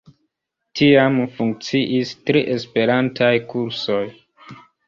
Tiam funkciis tri esperantaj kursoj.